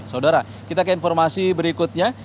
saudara kita ke informasi berikutnya